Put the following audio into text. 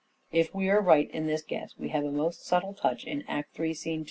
If we are right in this guess we have a most subtle touch in Act III, scene 2.